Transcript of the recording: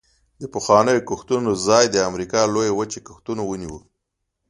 د پخوانیو کښتونو ځای د امریکا لویې وچې کښتونو ونیو